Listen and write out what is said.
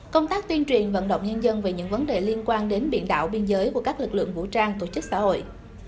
công tác tuyên truyền vận động nhân dân về những vấn đề liên quan đến biển đảo biên giới của các lực lượng vũ trang tổ chức xã hội